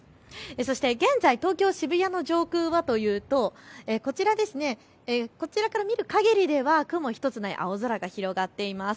そして現在、東京渋谷の上空はというとこちらから見るかぎりでは雲一つない青空が広がっています。